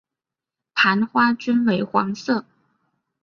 盘花均为黄色。